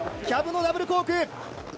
キャブのダブルコーク１０８０